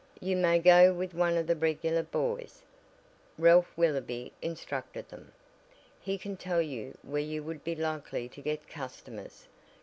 "You may go with one of the regular boys," Ralph Willoby instructed them. "He can tell you where you would be likely to get customers.